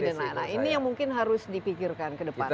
nah ini yang mungkin harus dipikirkan ke depan